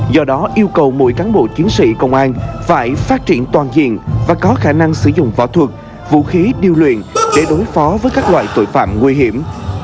do đó yêu cầu mỗi cán bộ chiến sĩ công an phải phát triển toàn diện và có khả năng sử dụng võ thuật vũ khí điêu luyện để đối phó với các loại tội phạm nguy hiểm